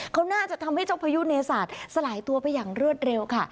เขาน่าจะทำให้เจ้าพายุเนศาสตร์สลายตัวไปอย่างรวดเร็วค่ะ